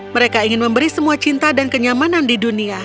mereka ingin memberi semua cinta dan kenyamanan di dunia